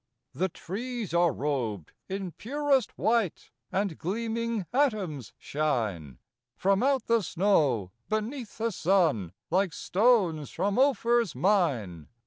The trees are rob'd in purest white, And gleaming atoms shine From out the snow, beneath the sun, Like stones from Ophir's mine.